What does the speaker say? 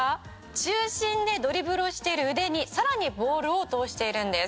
「中心でドリブルをしている腕にさらにボールを通しているんです」